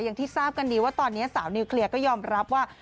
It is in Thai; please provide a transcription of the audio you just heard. อย่างที่ทราบกันดีว่าตอนนี้สาวนิวเคลียร์ก็ยอมรับว่า